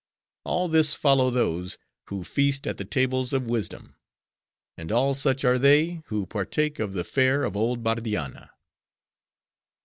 All this follow those, who feast at the tables of Wisdom; and all such are they, who partake of the fare of old Bardianna."